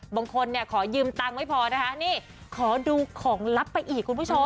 บางคนเนี่ยขอยืมตังค์ไม่พอนะคะนี่ขอดูของลับไปอีกคุณผู้ชม